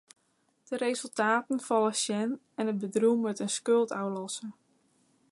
De resultaten falle tsjin en it bedriuw moat in skuld ôflosse.